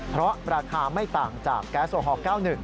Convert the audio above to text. เพราะราคาไม่ต่างจากแก๊สโอฮอล๙๑